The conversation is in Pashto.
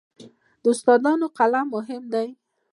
د استادانو قلم مهم دی.